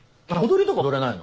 踊りとか踊れないの？